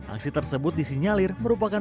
aksi tersebut disinyalir merupakan